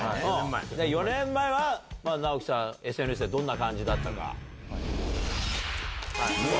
４年前は直己さんＳＮＳでどんな感じだったか。